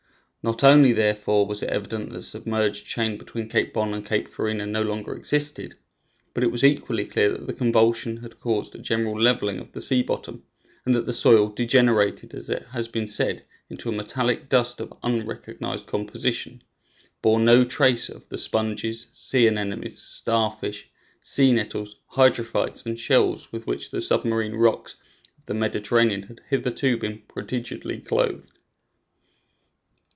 Not only, therefore, was it evident that the submerged chain between Cape Bon and Cape Furina no longer existed, but it was equally clear that the convulsion had caused a general leveling of the sea bottom, and that the soil, degenerated, as it has been said, into a metallic dust of unrecognized composition, bore no trace of the sponges, sea anemones, star fish, sea nettles, hydrophytes, and shells with which the submarine rocks of the Mediterranean had hitherto been prodigally clothed.